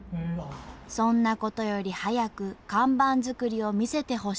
そんなことより早く看板作りを見せてほしい。